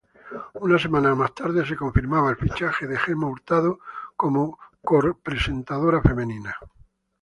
Una semana más tarde se confirmaba el fichaje de Gema Hurtado como copresentadora femenina.